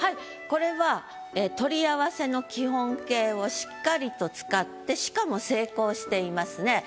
これは取り合わせの基本形をしっかりと使ってしかも成功していますね。